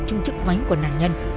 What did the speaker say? trong chiếc váy của nạn nhân